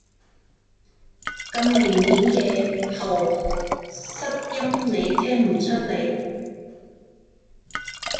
咁明顯嘅喉塞音，你聽唔出來？